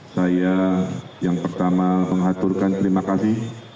saya yang pertama mengaturkan terima kasih